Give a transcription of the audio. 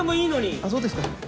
あそうですか。